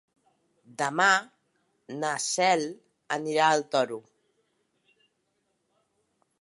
Demà na Cel anirà al Toro.